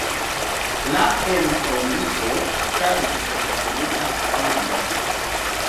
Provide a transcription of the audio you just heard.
La entombigo okazis en fermita rondo.